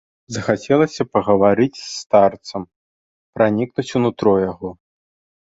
Захацелася пагаварыць з старцам, пранікнуць у нутро яго.